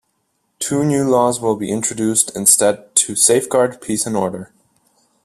Two new laws will be introduced instead to safeguard peace and order.